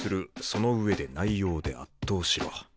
「その上で内容で圧倒しろ」。